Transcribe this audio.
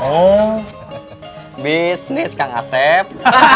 oh bisnis kang asep